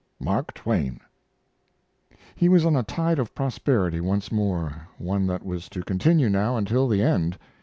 MARK TWAIN. He was on a tide of prosperity once more, one that was to continue now until the end.